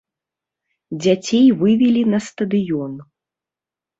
Дзяцей вывелі на стадыён.